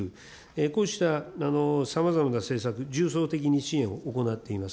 こうしたさまざまな政策、重層的に支援を行っています。